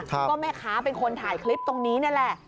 ก็แม่ค้าเป็นคนถ่ายคลิปตรงนี้นี่แหละ